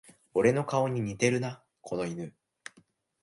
俺の顔に似てるな、この犬